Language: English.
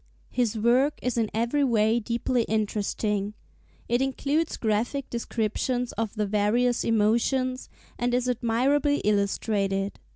His work is in every way deeply interesting; it includes graphic descriptions of the various emotions, and is admirably illustrated.